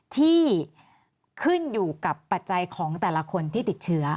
ที่ขึ้นอยู่กับปัจจัยของแต่ละคนที่ติดเชื้อ